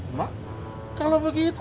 emak kalau begitu